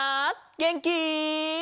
げんき？